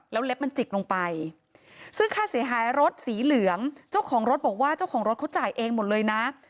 แล้วเล็บมันจิกลงไปซึ่งค่าเสียหายรถสีเหลืองเจ้าของรถบอกว่าเจ้าของรถเขาจ่ายเองหมดเลยนะ